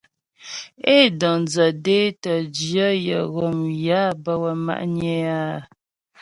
É dəŋdzə dé tə́ jyə̂ yə ghom yé á bə wə́ ma'nyə é áa.